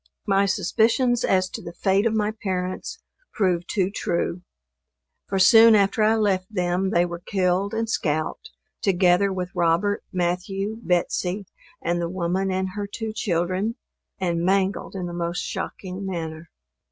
My suspicions as to the fate of my parents proved too true; for soon after I left them they were killed and scalped, together with Robert, Matthew, Betsey, and the woman and her two children, and mangled in the most shocking manner.